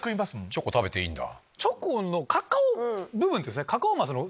チョコ食べていいんだ。